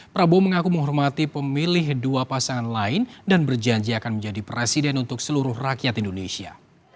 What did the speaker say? prabowo mengaku menghormati pemilih dua pasangan lain dan berjanji akan menjadi presiden untuk seluruh rakyat indonesia